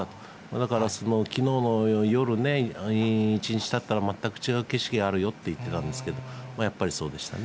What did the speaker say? だからきのうの夜ね、１日たったら、全く違う景色があるよって言ってたんですけど、やっぱりそうでしたね。